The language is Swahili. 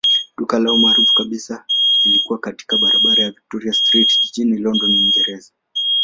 Duka lao maarufu kabisa lilikuwa katika barabara ya Victoria Street jijini London, Uingereza.